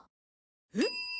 えっ？